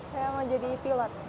saya mau jadi pilot